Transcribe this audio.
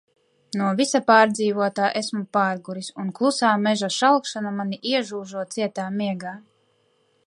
No visa pārdzīvotā esmu pārguris un klusā meža šalkšana mani iežūžo cietā miegā.